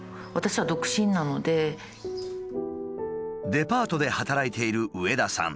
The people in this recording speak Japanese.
デパートで働いている上田さん。